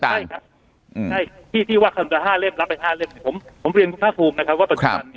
ใช่ครับที่วักคำจำ๕เล่มรับไป๕เล่มผมเรียนคุณภาคภูมิว่าปัจจุกัน